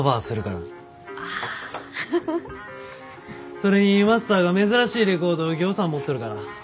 それにマスターが珍しいレコードをぎょうさん持っとるから。